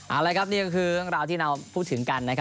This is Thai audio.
อะไรครับนี่ก็คือทุกราฟที่เราพูดถึงกัน